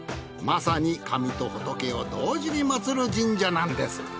まさに神と仏を同時に祀る神社なんです。